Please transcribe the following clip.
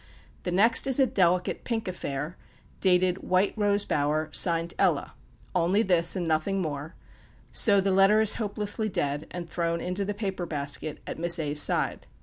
The next is a delicate pink affair, dated, "White Rose Bower" signed, "Ella;" "only this, and nothing more;" so the letter is hopelessly dead, and thrown into the paper basket at Miss A's side.